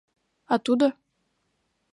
А тудо?